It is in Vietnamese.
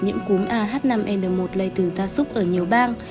nhiễm cúm ah năm n một lây từ gia súc ở nhiều bang